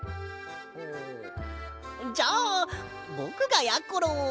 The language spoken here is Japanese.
うんじゃあぼくがやころを。